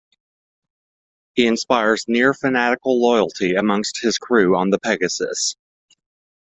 He inspires near-fanatical loyalty amongst his crew on the Pegasus.